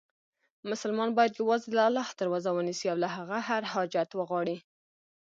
مسلمان باید یووازې د الله دروازه ونیسي، او له هغه هر حاجت وغواړي.